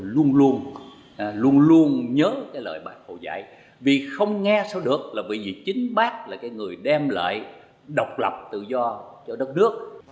luôn luôn nhớ lời bà hồ dạy vì không nghe sao được là vì chính bác là người đem lại độc lập tự do cho đất nước